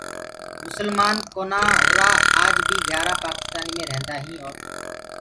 مسلمآن ڪونآ هُرآ آج بي گھيآرآ پآڪِستآني مي ريهنٚدآئينٚ اور